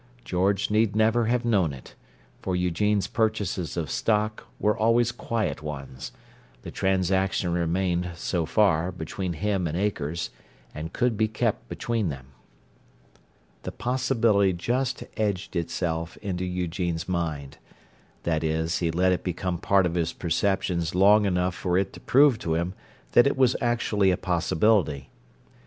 George need never have known it, for Eugene's purchases of stock were always quiet ones: the transaction remained, so far, between him and Akers, and could be kept between them. The possibility just edged itself into Eugene's mind; that is, he let it become part of his perceptions long enough for it to prove to him that it was actually a possibility.